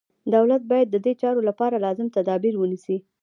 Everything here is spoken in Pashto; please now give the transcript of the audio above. دولت باید ددې چارو لپاره لازم تدابیر ونیسي.